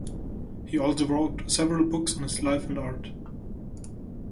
He also wrote several books on his life and art.